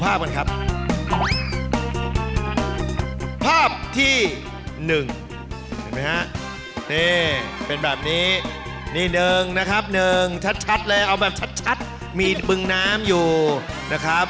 ภาพที่๑เห็นไหมฮะนี่เป็นแบบนี้นี่๑นะครับ๑ชัดเลยเอาแบบชัดมีบึงน้ำอยู่นะครับ